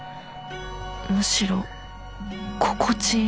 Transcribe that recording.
むしろ心地いい。